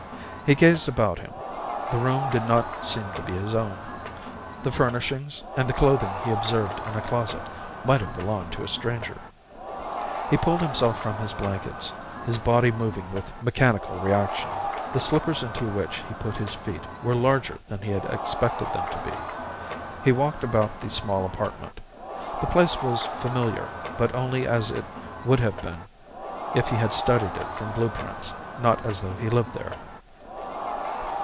He gazed about him. The room did not seem to be his own. The furnishings, and the clothing he observed in a closet, might have belonged to a stranger. He pulled himself from his blankets, his body moving with mechanical reaction. The slippers into which he put his feet were larger than he had expected them to be. He walked about the small apartment. The place was familiar, but only as it would have been if he had studied it from blueprints, not as though he lived there.